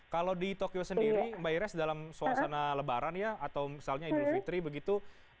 kalau di tokyo sendiri mbak ires dalam suasana lebaran ya atau misalnya idul fitri begitu